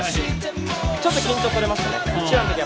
ちょっと緊張取れましたね。